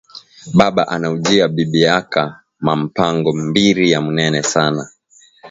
Baba anaujiya bibi yaka ma mpango mbiri ya munene sana